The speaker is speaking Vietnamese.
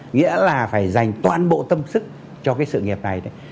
nghĩa là phải dành toàn bộ tâm sức cho cái sự nghiệp này đấy